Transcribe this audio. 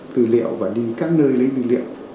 tư liệu và đi các nơi lấy tư liệu